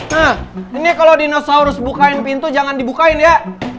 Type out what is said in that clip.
nah ini kalau dinosaurus bukain pintu jangan dibukain ya